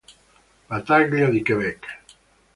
Battaglia di Québec